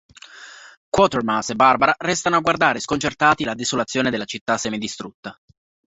Quatermass e Barbara restano a guardare sconcertati la desolazione della città semidistrutta.